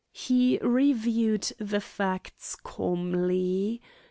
He reviewed the facts calmly.